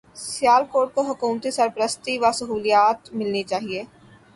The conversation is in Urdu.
سیالکوٹ کو حکومتی سرپرستی و سہولیات ملنی چاہیے